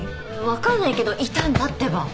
わかんないけどいたんだってば。